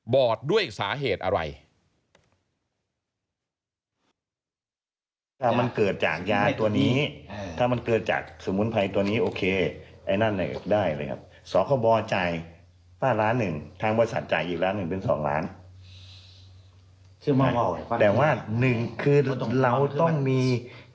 อดด้วยสาเหตุอะไร